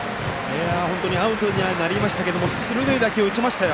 アウトにはなりましたが鋭い打球を打ちました。